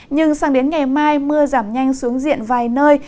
nhưng sang đến ngày mai mưa giảm nhanh xuống diện vài nơi